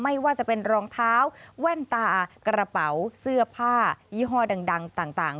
ไม่ว่าจะเป็นรองเท้าแว่นตากระเป๋าเสื้อผ้ายี่ห้อดังต่าง